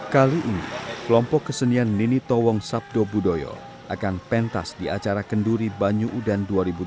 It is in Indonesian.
kali ini kelompok kesenian nini tawong sabdo budoyo akan pentas di acara kenduri banyu udan dua ribu tujuh belas